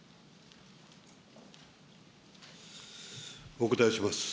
お答えいたします。